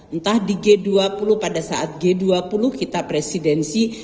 entah di g dua puluh pada saat g dua puluh kita presidensi